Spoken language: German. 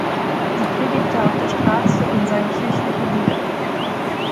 Sie predigte auf der Straße und sang kirchliche Lieder.